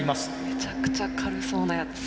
めちゃくちゃ軽そうなやつ。